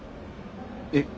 えっ。